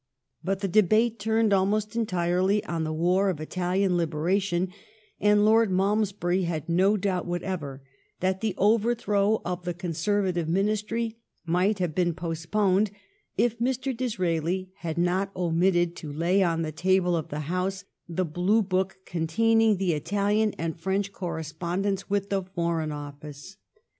But the debate turned almost entirely on the war of Italian Liberation ; and Lord Malmesbury had no doubt whatever that, the overthrow of the Conservative Ministry might have been postponed, if Mr. Disraeli had not omitted to lay on the table of the House the Blue Book containing the Italian and French corre spondence with the Foreign OflBce.